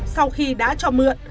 sau khi đã cho mượn